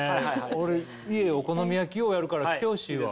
俺家お好み焼きようやるから来てほしいわ。